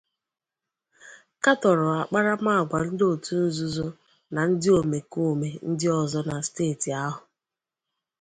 katọrọ akparamagwa ndị otu nzuzo na ndị omekoome ndị ọzọ na steeti ahụ